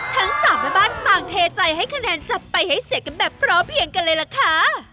ทั้งสามแม่บ้านต่างเทใจให้คะแนนจับไปให้เสียกันแบบพร้อมเพียงกันเลยล่ะค่ะ